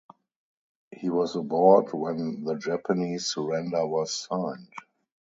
He was aboard when the Japanese surrender was signed.